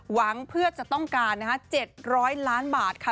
หวังเพื่อจะต้องการ๗๐๐ล้านบาทค่ะ